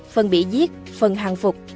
phần bị giết phần hạng phục